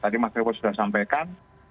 tadi mas revo sudah sampaikan